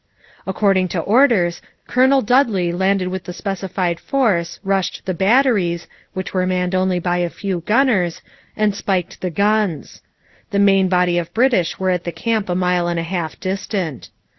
According to orders, Colonel Dudley landed with the specified force, rushed the batteries, which were manned only by a few gunners, and spiked the guns. The main body of British were at the camp a mile and a half distant.